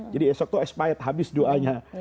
jadi esok itu habis doanya